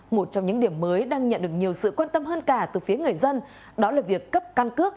một trong những điểm mới đang nhận được nhiều sự quan tâm hơn cả từ phía người dân đó là việc cấp căn cước